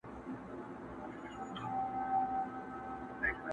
پرزولي یې شاهان او راجاګان وه!!